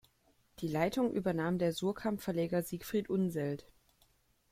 Die Leitung übernahm der Suhrkamp-Verleger Siegfried Unseld.